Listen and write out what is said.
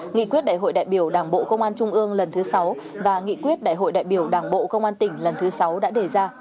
nghị quyết đại hội đại biểu đảng bộ công an trung ương lần thứ sáu và nghị quyết đại hội đại biểu đảng bộ công an tỉnh lần thứ sáu đã đề ra